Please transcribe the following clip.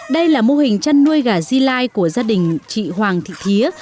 đây là mô hình chăn nuôi gà di lai của gia đình chị hoàng thị thía